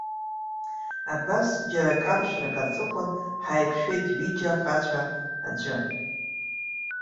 Абас, џьара каршәрак аҵыхәан ҳаиқәшәеит ҩыџьа ахацәа, аӡәы.